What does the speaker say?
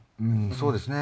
そうですね